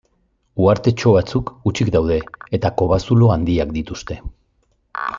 Uhartetxo batzuk hutsik daude, eta kobazulo handiak dituzte.